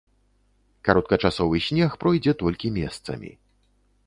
Кароткачасовы снег пройдзе толькі месцамі.